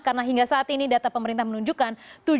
karena hingga saat ini data pemerintah menunjukkan